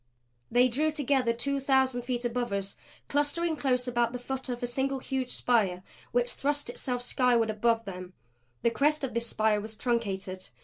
They drew together two thousand feet above us, clustering close about the foot of a single huge spire which thrust itself skyward above them. The crest of this spire was truncated.